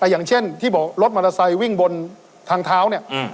อย่างเช่นที่บอกรถมอเตอร์ไซค์วิ่งบนทางเท้าเนี่ย